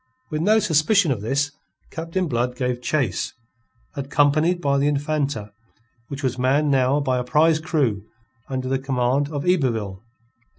With no suspicion of this, Captain Blood gave chase, accompanied by the Infanta, which was manned now by a prize crew under the command of Yberville.